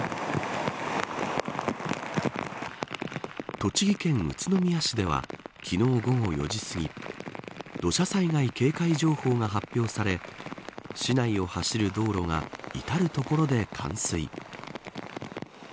栃木県宇都宮市では昨日午後４時すぎ土砂災害警戒情報が発表され市内を走る道路が至る所で冠水。